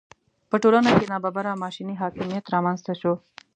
په ټولنه کې ناببره ماشیني حاکمیت رامېنځته شو.